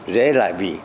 dễ lại vì